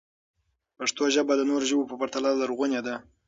پښتو ژبه د نورو ژبو په پرتله لرغونې ده.